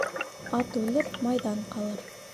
Ат үлер, майҙан ҡалыр